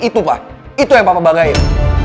itu pa itu yang papa banggain